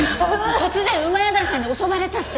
突然谷さんに襲われたって。